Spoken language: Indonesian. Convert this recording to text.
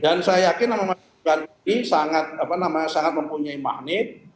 dan saya yakin nama mas gibran ini sangat mempunyai magnet